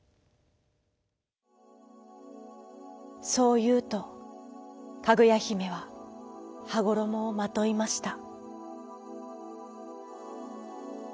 そういうとかぐやひめははごろもをまといました。